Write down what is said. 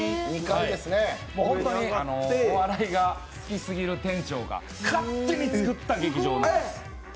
本当にお笑いが好きすぎる店長が勝手につくった劇場なんです。